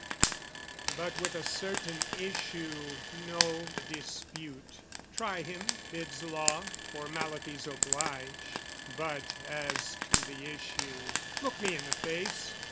But with a certain issue: no dispute, "Try him," bids law: formalities oblige: But as to the issue, look me in the face!